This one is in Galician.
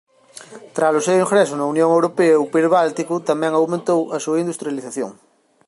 Tralo seu ingreso na Unión Europea o país báltico tamén aumentou a súa industrialización.